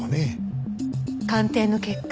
鑑定の結果